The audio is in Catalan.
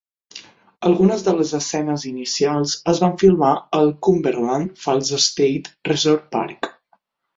Algunes de les escenes inicials es van filmar al Cumberland Falls State Resort Park.